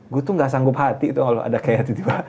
gue tuh gak sanggup hati tuh kalau ada kayak itu juga